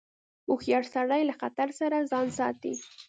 هوښیار سړی له خطر څخه ځان ساتي.